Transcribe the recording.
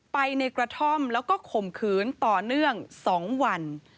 ไปในกระท่อมแล้วก็ข่มขืนต่อเนื่อง๒วัน